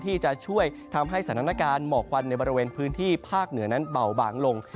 ที่จะช่วยทำให้สถานการณ์หมอกควันในบริเวณพื้นที่ภาคเหนือนั้นเบาบางลง